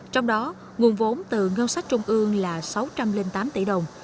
trong đó nguồn vốn từ ngân sách trung ương là sáu trăm linh tám tỷ đồng